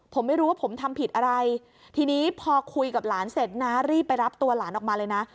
ผมไม่รู้ว่าผมทำผิดอะไรทีนี้พอคุยกับหลานเสร็จน้ารีบไปรับตัวหลานออกมาเลยนะ